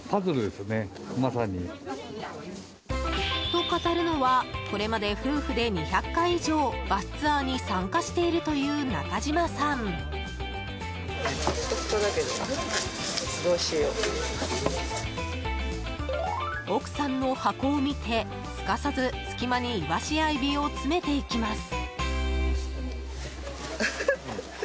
と語るのは、これまで夫婦で２００回以上バスツアーに参加しているという中島さん。奥さんの箱を見てすかさず隙間にイワシやエビを詰めていきます。